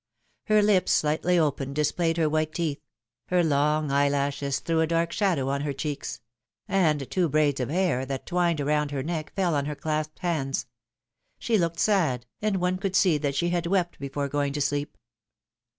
Her lips, slightly opened, displayed her white teeth ; her long eyelashes threw a dark shadow on her cheeks ; and two braids of hair, that twined around her neck, fell on her clasped hands. She looked sad, and one could see that she had wept before going to sleep.